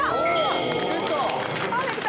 出た！